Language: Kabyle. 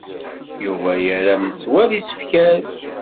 Yuba yerra metwal isefkal.